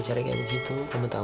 jadi saya diterima pak